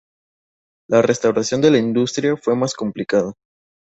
La restauración de la industria fue más complicada.